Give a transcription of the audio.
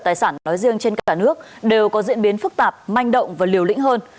tài sản nói riêng trên cả nước đều có diễn biến phức tạp manh động và liều lĩnh hơn